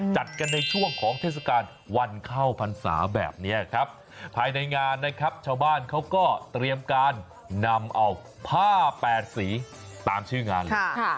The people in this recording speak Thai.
จัดกันในช่วงของเทศกาลวันเข้าพรรษาแบบนี้ครับภายในงานนะครับชาวบ้านเขาก็เตรียมการนำเอาผ้าแปดสีตามชื่องานเลย